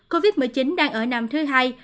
covid một mươi chín đang ở năm thứ hai